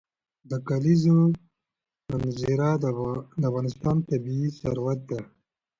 د کلیزو منظره د افغانستان طبعي ثروت دی.